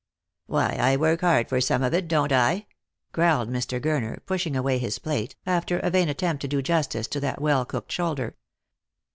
" Why, I work hard for some of it, don't I ?" growled Mr. Gurner, pushing away his plate, after a vain attempt to do justice to that well cooked shoulder.